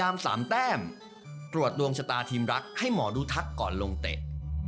มาทีมรักให้หมอดูทักก่อนลงเตะ